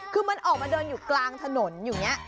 คือมันออกมาเดินอยู่กลางถนนอย่างนี้